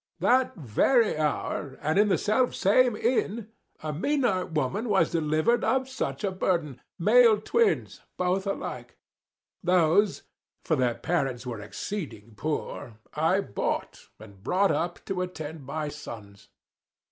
That very hour, and in the self same inn, A meaner woman was delivered 55 Of such a burden, male twins, both alike: Those, for their parents were exceeding poor, I bought, and brought up to attend my sons.